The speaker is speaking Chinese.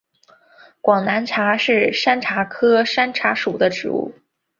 广南茶是山茶科山茶属的植物。